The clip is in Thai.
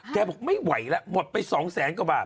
แกบอกไม่ไหวแล้วหมดไป๒๐๐๐๐๐กว่าบาท